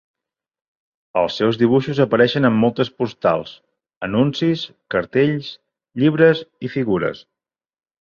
Els seus dibuixos apareixen en moltes postals, anuncis, cartells, llibres i figures.